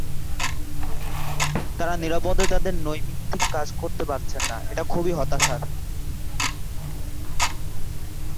তাঁরা নিরাপদে তাঁদের নৈমিত্তিক কাজ করতে পারছেন না, এটা খুবই হতাশার।